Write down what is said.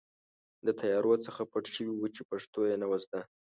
د طیارو څخه پټ شوي وو چې پښتو یې نه وه زده.